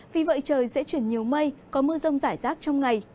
vì vậy trời sẽ chuyển nhiều mây có mưa rông rải rác trong ngày